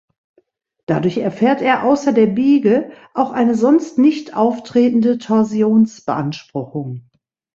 Dadurch erfährt er außer der Biege- auch eine sonst nicht auftretende Torsions-Beanspruchung.